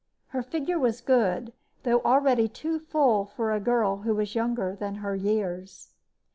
Her figure was good, though already too full for a girl who was younger than her years.